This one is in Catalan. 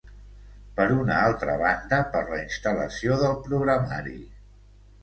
Per una altra banda, per la instal·lació del programari.